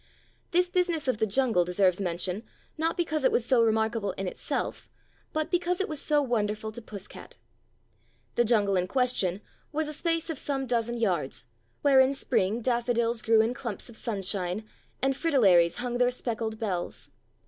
This business of the jungle deserves mention, not because it was so remarkable in itself, but because it was so wonderful to Puss cat. The jungle in question was a space of some dozen yards, where in spring daffodils grew in clumps of sunshine and fritillaries hung their speckled bells.